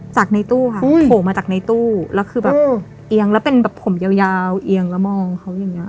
จากในตู้ค่ะโผล่มาจากในตู้แล้วคือแบบเอียงแล้วเป็นแบบผมยาวเอียงแล้วมองเขาอย่างนี้